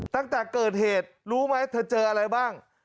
ตั้งแต่เกิดเหตุรู้ไหมเธอเจออะไรบ้าง